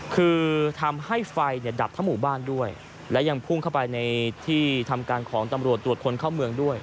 คือทำให้ไฟเนี่ยดับทั้งหมู่บ้านด้วยและยังพุ่งเข้าไปในที่ทำการของตำรวจตรวจคนเข้าเมืองด้วย